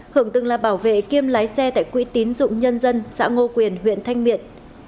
hưởng từng là bảo vệ kiêm lái xe tại quỹ tín dụng nhân dân xã ngô quyền huyện thanh miện